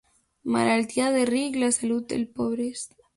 Malaltia de ric, la salut dels pobres.